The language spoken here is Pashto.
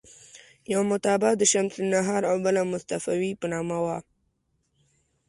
یوه مطبعه د شمس النهار او بله مصطفاوي په نامه وه.